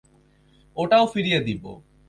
ওটাও ফিরিয়ে দিবো।